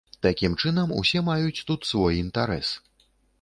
Такім чынам, усе маюць тут свой інтарэс.